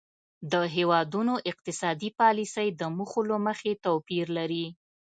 د هیوادونو اقتصادي پالیسۍ د موخو له مخې توپیر لري